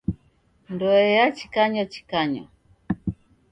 Ndoe yachikanywachikanywa.